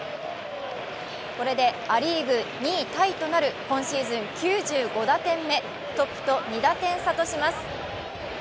これでア・リーグ２位タイとなる今シーズン９５打点目トップと２打点差とします。